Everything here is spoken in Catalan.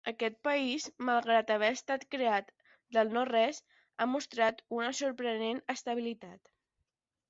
Aquest país, malgrat haver estat creat del no-res, ha mostrat una sorprenent estabilitat.